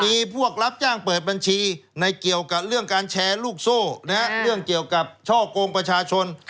มีพวกรับจ้างเปิดบัญชีในเกี่ยวกับเรื่องการแชร์ลูกโซ่เรื่องเกี่ยวกับช่อกงประชาชน